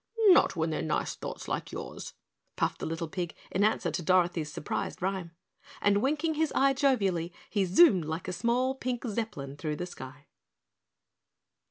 "Not when they're nice thoughts like yours," puffed the little pig in answer to Dorothy's surprised rhyme, and winking his eye jovially he zoomed like a small pink Zeppelin through the sky.